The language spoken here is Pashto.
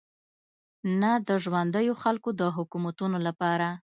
نه د ژونديو خلکو د حکومتونو لپاره.